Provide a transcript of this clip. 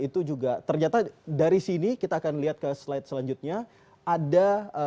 itu juga ternyata dari sini kita akan lihat ke slide selanjutnya ada